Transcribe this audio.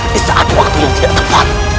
di saat waktu yang tidak tepat